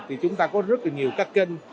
thì chúng ta có rất là nhiều các kênh